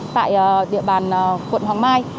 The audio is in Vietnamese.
tại địa bàn quận hoàng mai